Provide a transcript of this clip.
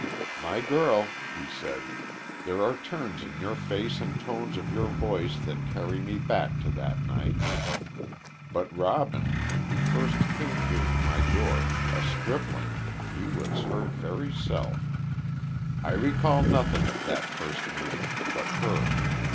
"My girl," he said, "there are turns of your face and tones of your voice that carry me back to that night. But Robin, when he first came here to my door, a stripling, he was her very self. "I recall nothing of that first meeting but her.